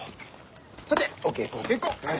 さてお稽古お稽古。